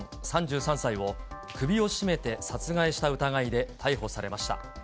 ３３歳を、首を絞めて殺害した疑いで逮捕されました。